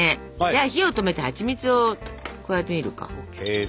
じゃあ火を止めてはちみつを加えてみるか。ＯＫ。